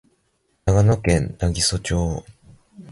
長野県南木曽町